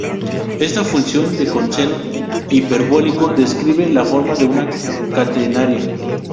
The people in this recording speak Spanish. Esta función de coseno hiperbólico describe la forma de una catenaria.